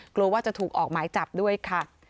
กลัวว่าจะถูกออกหมายจับด้วยค่ะ